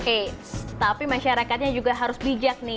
oke tapi masyarakatnya juga harus bijak nih